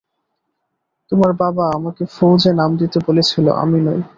তোমার বাবা তোমাকে ফৌজে নাম দিতে বলেছিল, আমি নই।